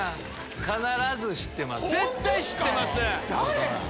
絶対知ってます！